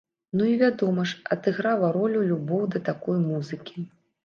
Ну, і, вядома ж, адыграла ролю любоў да такой музыкі.